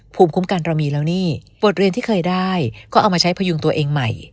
ภูมิคุ้มกันเรามีแล้วนี่บทเรียนที่เคยได้ก็เอามาใช้พยุงตัวเองใหม่